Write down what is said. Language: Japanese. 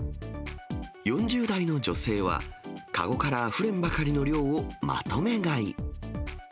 ４０代の女性は、籠からあふれんばかりの量をまとめ買い。